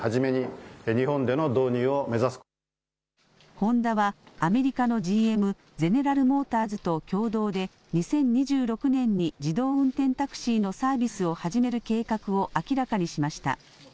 ホンダはアメリカのＧＭ、ゼネラルモーターズと共同で２０２６年に自動運転タクシーのサービスを始める計画を明らかにしました。